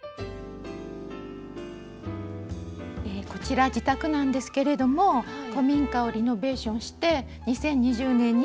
こちら自宅なんですけれども古民家をリノベーションして２０２０年に移住しました。